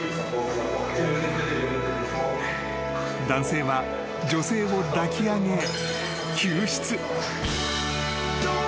［男性は女性を抱き上げ］